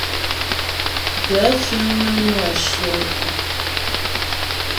Gaə̂ fíŋ nə́ nwə́ shyə yəŋ a ?